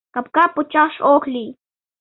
Капка почаш ок лий.